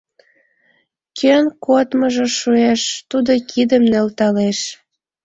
— Кӧн кодмыжо шуэш, тудо кидым нӧлталеш!